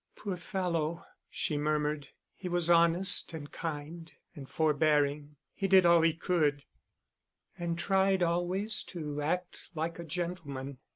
"Poor fellow," she murmured. "He was honest and kind and forbearing. He did all he could, and tried always to act like a gentleman.